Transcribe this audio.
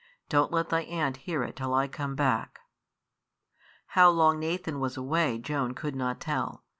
Don't let thy aunt hear it till I come back." How long Nathan was away Joan could not tell.